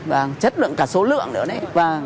và chất lượng cả số lượng nữa đấy